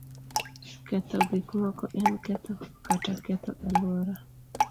Ketho gik moko en ketho kata ketho alwora.